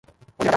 ও যে রাজা!